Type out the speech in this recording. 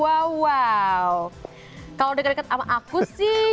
kalau udah deket deket sama aku sih